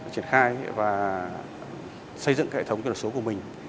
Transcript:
triển khai và xây dựng hệ thống số của mình